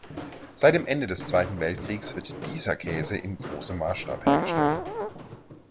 Seit dem Ende des Zweiten Weltkriegs wird dieser Käse in großem Maßstab hergestellt.